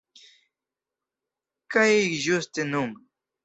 Kaj ĝuste nun!